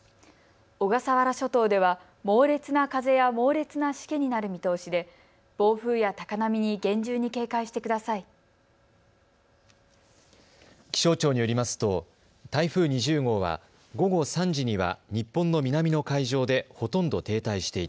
小笠原諸島では猛烈な風や猛烈なしけになる見通しで暴風や高波に厳重に警戒してください。